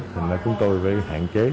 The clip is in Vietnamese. thế nên là chúng tôi phải hạn chế